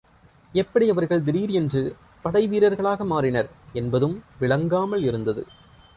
எப்படி அவர்கள் திடீர் என்று படை வீரர்களாக மாறினர் என்பதும் விளங்காமல் இருந்தது.